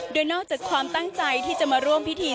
โดยนอกจากความตั้งใจที่จะมาร่วมพิธี